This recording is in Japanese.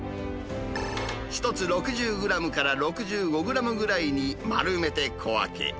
１つ６０グラムから６５グラムぐらいに丸めて小分け。